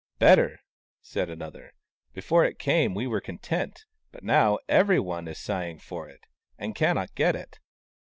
" Better," said another. " Before it came, we were content : but now, every one is sighing for it, and cannot get it."